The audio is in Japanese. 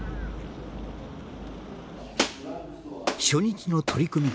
初日の取組